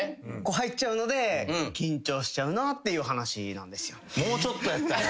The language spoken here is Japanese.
入っちゃうので緊張しちゃうなっていう話なんですよ。